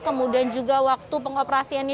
kemudian juga waktu pengoperasiannya